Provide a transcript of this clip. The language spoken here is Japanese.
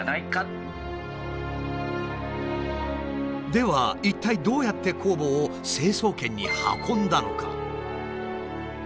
では一体どうやって酵母を成層圏に運んだのか。